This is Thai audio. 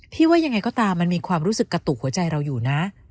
ว่ายังไงก็ตามมันมีความรู้สึกกระตุกหัวใจเราอยู่นะ